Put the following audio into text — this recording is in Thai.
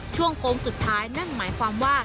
โค้งสุดท้ายนั่นหมายความว่า